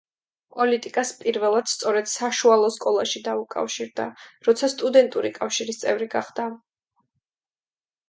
პოლიტიკას პირველად სწორედ საშუალო სკოლაში დაუკავშირდა, როცა სტუდენტური კავშირის წევრი გახდა.